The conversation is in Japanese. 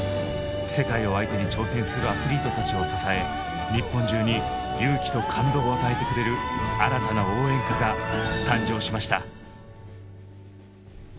世界を相手に挑戦するアスリートたちを支え日本中に勇気と感動を与えてくれる新たな応援歌が誕生しました。